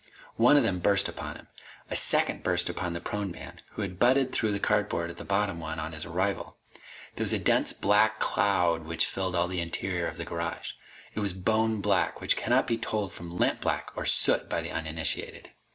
One of them burst upon him. A second burst upon the prone man who had butted through the cardboard of the bottom one on his arrival. There was a dense black cloud which filled all the interior of the garage. It was bone black, which cannot be told from lamp black or soot by the uninitiated.